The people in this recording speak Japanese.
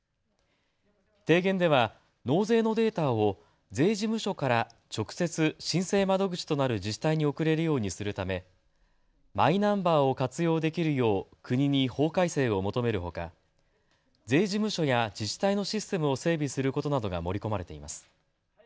提言では納税のデータを税事務所から直接申請窓口となる自治体に送れるようにするためマイナンバーを活用できるよう国に法改正を求めるほか税事務所や自治体のシステムを整備することなどが盛り込まれています。